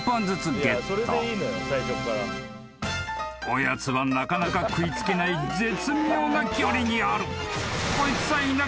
［おやつはなかなか食い付けない絶妙な距離にある］